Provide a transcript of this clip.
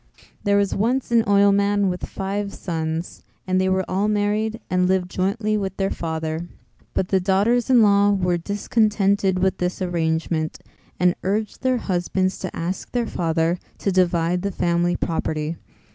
There was once an oilman with five sons and they were all married and lived jointly with their father. But the daughters in law were discontented with this arrangement and urged their husbands to ask their father to divide the family property.